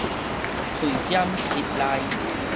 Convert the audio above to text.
喙尖舌利